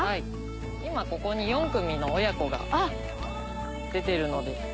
今ここに４組の親子が出てるので。